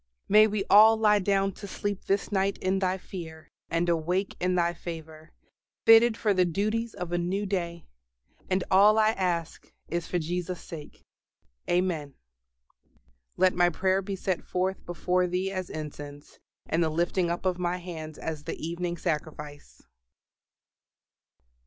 May we all lie down to sleep this night in Thy fear, and awake in Thy favor, fitted for the duties of a new day. And all I ask is for Jesus' sake. Amen. "LET MY PRAYER BE SET FORTH BEFORE THEE AS INCENSE: AND THE LIFTING UP OF MY HANDS AS THE EVENING SACRIFICE."